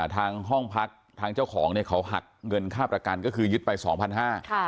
ทางห้องพักทางเจ้าของเนี่ยเขาหักเงินค่าประกันก็คือยึดไปสองพันห้า